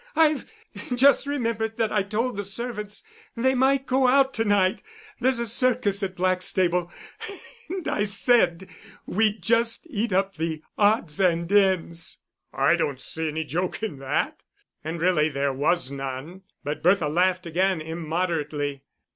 "I've just remembered that I told the servants they might go out to night, there's a circus at Blackstable; and I said we'd just eat up the odds and ends." "I don't see any joke in that." And really there was none, but Bertha laughed again immoderately.